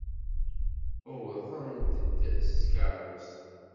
Uwḍent-d s tkeṛṛust.